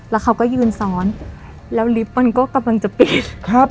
แล้วเขาก็ยืนซ้อนแล้วลิฟต์มันก็กำลังจะปิดครับ